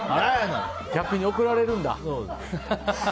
逆に怒られるんだ。